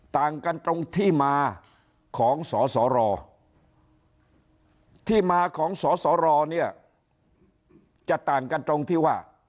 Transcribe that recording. ต่างกันตรงที่มาของสสรที่มาของสสรเนี่ยจะต่างกันตรงที่ว่า